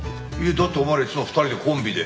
だってお前らいつも２人でコンビで。